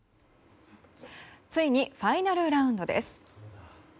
ついにファイナルラウンドです。